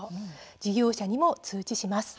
事業者にも通知します。